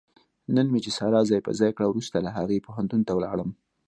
نن مې چې ساره ځای په ځای کړه، ورسته له هغې پوهنتون ته ولاړم.